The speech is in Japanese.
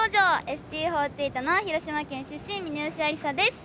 ＳＴＵ４８の広島県出身峯吉愛梨沙です。